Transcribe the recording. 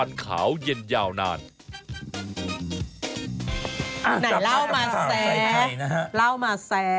นายเล่ามาแสเล่ามาแส